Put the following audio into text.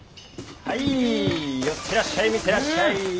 はい寄ってらっしゃい見てらっしゃい。